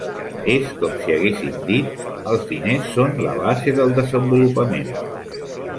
És com si haguéssim dit: "Els diners són la base del desenvolupament".